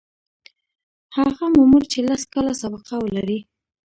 هغه مامور چې لس کاله سابقه ولري.